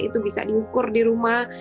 itu bisa diukur di rumah